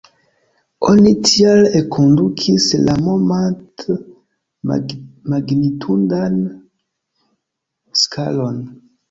Oni tial enkondukis la Momant-magnitudan skalon.